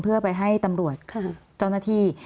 เพื่อไปให้ตำรวจเจ้าหน้าที่